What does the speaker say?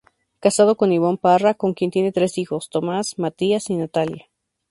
Casado con Ivonne Parra, con quien tiene tres hijos: Tomás, Matías y Natalia.